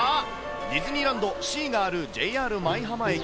ディズニーランド・シーがあるＪＲ舞浜駅。